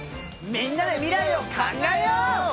みんなで未来を考えよう！